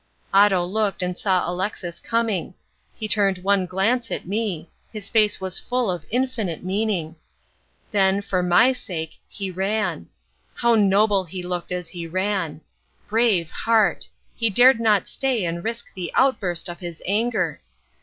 Otto looked and saw Alexis coming. He turned one glance at me: his face was full of infinite meaning. Then, for my sake, he ran. How noble he looked as he ran. Brave heart! he dared not stay and risk the outburst of his anger.